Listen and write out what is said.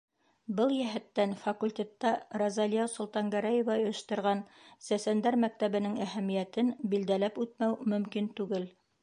Был йәһәттән факультетта Розалия Солтангәрәева ойошторған сәсәндәр мәктәбенең әһәмиәтен билдәләп үтмәү мөмкин түгел.